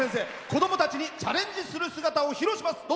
子どもたちにチャレンジする姿を披露します。